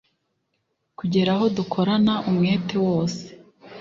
kugeraho dukorana umwete wose